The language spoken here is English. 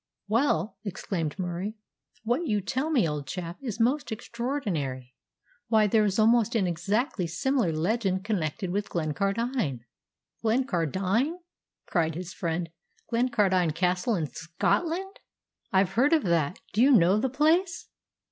"Well," exclaimed Murie, "what you tell me, old chap, is most extraordinary! Why, there is almost an exactly similar legend connected with Glencardine!" "Glencardine!" cried his friend. "Glencardine Castle, in Scotland! I've heard of that. Do you know the place?"